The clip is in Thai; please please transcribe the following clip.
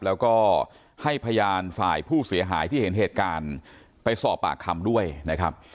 แล้วก็ให้พยานฝ่ายผู้เสียหายที่เห็นเหตุการณ์ไปสอบปากคำด้วยนะครับ